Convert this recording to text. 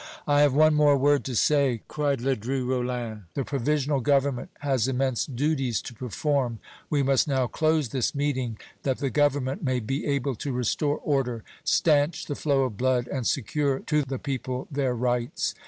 "I have one more word to say," cried Ledru Rollin. "The Provisional Government has immense duties to perform. We must now close this meeting, that the Government may be able to restore order stanch the flow of blood, and secure to the people their rights."